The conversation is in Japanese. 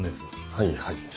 はいはい。